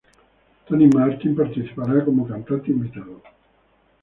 Tony Martin participará como cantante invitado.